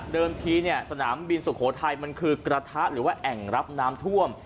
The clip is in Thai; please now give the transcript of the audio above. ทีเนี่ยสนามบินสุโขทัยมันคือกระทะหรือว่าแอ่งรับน้ำท่วม